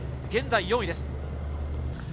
現在４位です。